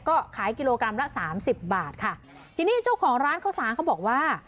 ก็ขายกิโลกรัมละสามสิบบาทค่ะทีนี้เจ้าของร้านข้าวสารเขาบอกว่า